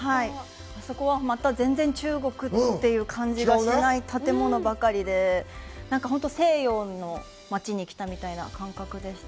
そこは、また全然中国っていう感じがしない建物ばかりで、なんか本当に西洋の街に来たみたいな感覚でした。